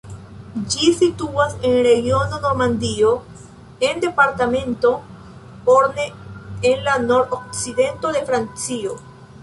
Ĝi situas en regiono Normandio en departemento Orne en la nord-okcidento de Francio.